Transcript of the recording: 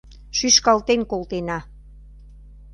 Шӱшкалтен колтена